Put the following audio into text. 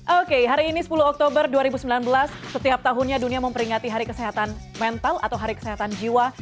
oke hari ini sepuluh oktober dua ribu sembilan belas setiap tahunnya dunia memperingati hari kesehatan mental atau hari kesehatan jiwa